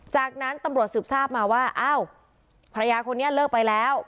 จากนั้นตำรวจสืบทราบมาว่าอ้าวภรรยาคนนี้เลิกไปแล้ว